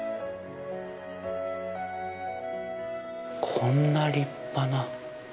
こんな立派な。